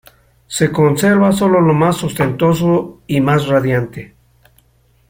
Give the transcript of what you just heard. Se conserva sólo lo más ostentoso y más radiante.